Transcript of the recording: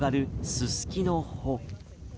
ススキの穂。